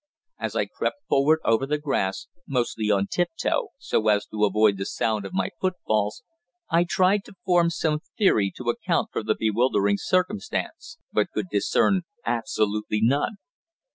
As I crept forward over the grass, mostly on tiptoe, so as to avoid the sound of my footfalls, I tried to form some theory to account for the bewildering circumstance, but could discern absolutely none.